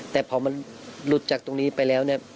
แต่พอมันหลุดจากตรงนี้ไปแล้วเนี่ย